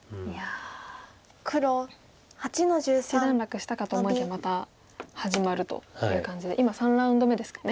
一段落したかと思いきやまた始まるという感じで今３ラウンド目ですかね。